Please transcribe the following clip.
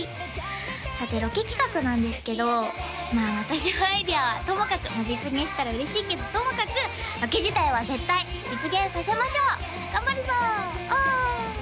さてロケ企画なんですけどまあ私のアイデアはともかくまあ実現したら嬉しいけどともかくロケ自体は絶対実現させましょう頑張るぞお！